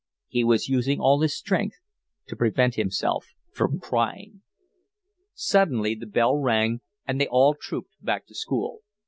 He was using all his strength to prevent himself from crying. Suddenly the bell rang, and they all trooped back to school.